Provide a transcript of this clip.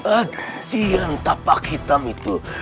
ajihan tapak hitam itu